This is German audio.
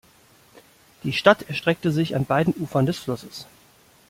Die Stadt erstreckt sich an beiden Ufern des Flusses.